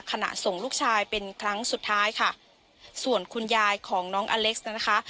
ส่งลูกชายเป็นครั้งสุดท้ายค่ะส่วนคุณยายของน้องอเล็กซ์นะคะ